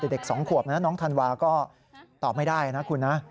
แต่เด็กสองขวบน้องธันวาว์ก็ตอบไม่ได้นะคุณนะ